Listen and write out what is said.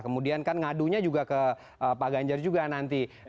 kemudian kan ngadunya juga ke pak ganjar juga nanti